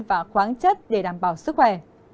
và khoáng chất để đảm bảo sức khỏe